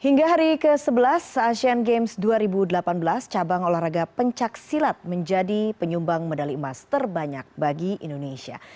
hingga hari ke sebelas se asian games dua ribu delapan belas cabang olahraga pencaksilat menjadi penyumbang medali emas terbanyak bagi indonesia